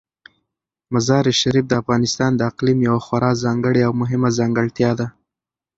مزارشریف د افغانستان د اقلیم یوه خورا ځانګړې او مهمه ځانګړتیا ده.